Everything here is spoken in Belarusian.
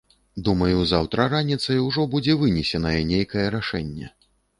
Думаю, заўтра раніцай ужо будзе вынесенае нейкае рашэнне.